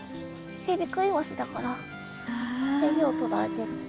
ヘビクイワシだからヘビを捕らえてる。